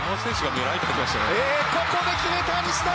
ここで決めた西川。